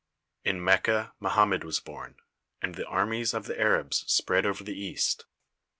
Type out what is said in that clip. In Mecca Mo hammed was born, and the armies of the Arabs spread over the East.